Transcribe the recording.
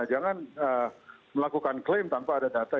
jangan melakukan klaim tanpa ada data